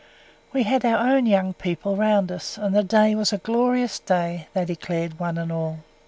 We had our own young people round us, and the day was a glorious day, they declared one and all.